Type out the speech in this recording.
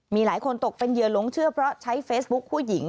มีหลายคนตกเป็นเหยื่อหลงเชื่อเพราะใช้เฟซบุ๊คผู้หญิง